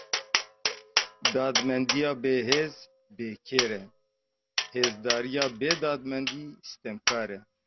Dadmendiya bêhêz, bêkêr e; hêzdariya bê dadmendî, stemkar e.